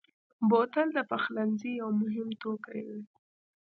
بوتل د پخلنځي یو مهم توکی دی.